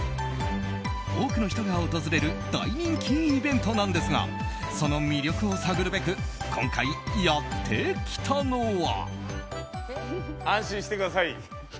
多くの人が訪れる大人気イベントなんですがその魅力を探るべく今回やってきたのは。